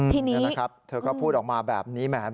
ทีนี้นะครับเธอก็พูดออกมาแบบนี้แหม